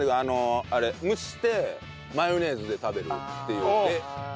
蒸してマヨネーズで食べるっていう。